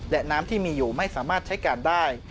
และน้ำที่มีอยู่ไม่สามารถใช้การได้